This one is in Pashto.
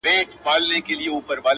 زموږ غاښو ته تيږي نه سي ټينگېدلاى،